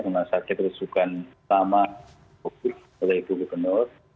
rumah sakit rusukan sama covid oleh ibu gubernur